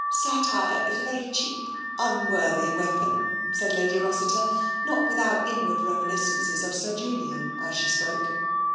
" Satire is a very cheap, unworthy weapon," said Lady Rossiter, not without inward reminiscences of Sir Julian as she spoke.